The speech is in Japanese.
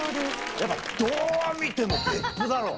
やっぱどう見ても別府だろう。